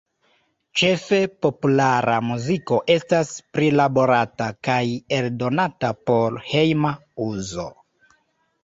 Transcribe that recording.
Ĉefe populara muziko estas prilaborata kaj eldonata por hejma uzo.